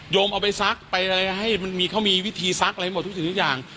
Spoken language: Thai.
เอาไปซักไปอะไรให้มันมีเขามีวิธีซักอะไรหมดทุกสิ่งทุกอย่าง